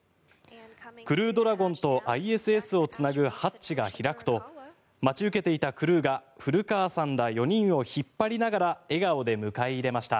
クルードラゴンとＩＳＳをつなぐハッチが開くと待ち受けていたクルーが古川さんら４人を引っ張りながら笑顔で迎え入れました。